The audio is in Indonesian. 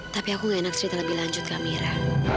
tapi aku gak enak cerita lebih lanjut ke amira